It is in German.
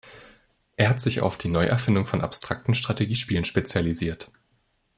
Er hat sich auf die Neuerfindung von abstrakten Strategiespielen spezialisiert.